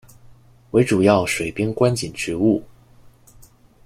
为主要水边观景植物。